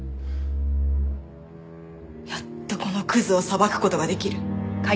やっとこのクズを裁く事ができる。